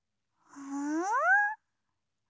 うん！